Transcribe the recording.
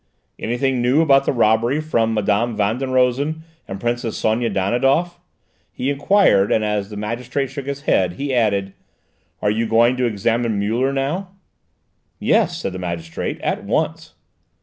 "Anything new about the robbery from Mme. Van den Rosen and Princess Sonia Danidoff?" he enquired, and as the magistrate shook his head, he added, "Are you going to examine Muller now?" "Yes," said the magistrate; "at once."